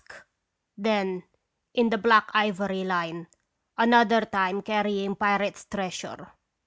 musk, then in the ' black ivory ' line, another time carrying pirates' treasure.